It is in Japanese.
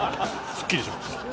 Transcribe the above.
すっきりしました。